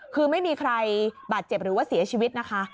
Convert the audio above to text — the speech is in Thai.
คือไม่มีใครบาดเจ็บหรือว่าเสียชีวิตนะคะ